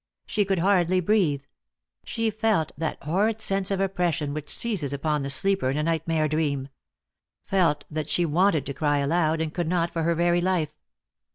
She could hardly breathe. She felt that horrid sense of oppression which seizes upon the sleeper in a nightmare dream ; felt that' she wanted to cry aloud, and could not for her very life.